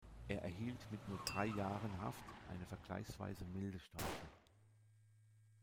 Er erhielt mit nur drei Jahren Haft eine vergleichsweise milde Strafe.